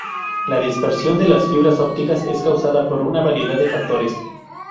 La dispersión de las fibras ópticas es causada por una variedad de factores.